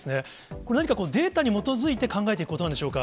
これ、何かデータに基づいて考えていくということなんでしょうか。